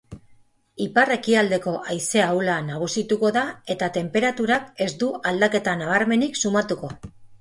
Ipar-ekialdeko haize ahula nagusituko da eta tenperaturak ez du aldaketa nabarmenik sumatuko.